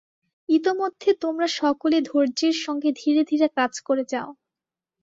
ইতোমধ্যে তোমরা সকলে ধৈর্যের সঙ্গে ধীরে ধীরে কাজ করে যাও।